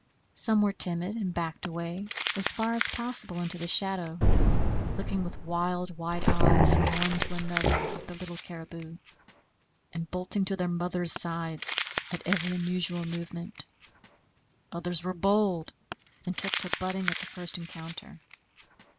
Some were timid, and backed away as far as possible into the shadow, looking with wild, wide eyes from one to another of the little caribou, and bolting to their mothers' sides at every unusual movement. Others were bold, and took to butting at the first encounter.